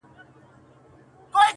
ټولي نړۍ ته کرونا ببر یې.!